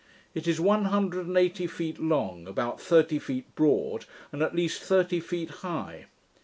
It is one hundred and eighty feet long, about thirty feet broad, and at least thirty feet high.